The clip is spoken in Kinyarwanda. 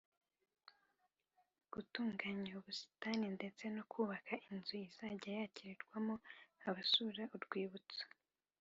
gutunganya ubusitani ndetse no kubaka inzu izajya yakirirwamo abasura urwibutso